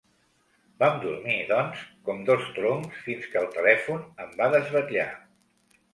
Vam dormir, doncs, com dos troncs fins que el telèfon em va desvetllar.